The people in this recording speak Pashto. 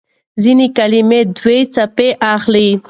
ځينې کلمې دوه څپې اخلي.